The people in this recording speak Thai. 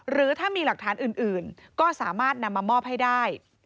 หรือถ้ามีหลักฐานอื่นก็สามารถนำมามอบให้ได้